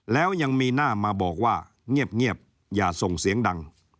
แล้วยังมีหน้ามาบอกว่าเงียบอย่าส่งเสียงดัง